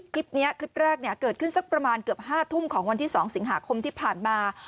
คลิปแรกเกิดขึ้นสักประมาณเกือบ๕ทุ่มของวันที่๒สิงหาคมที่ผ่านมา